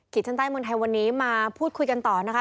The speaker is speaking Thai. ชั้นใต้เมืองไทยวันนี้มาพูดคุยกันต่อนะคะ